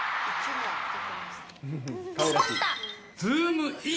ズームイン！！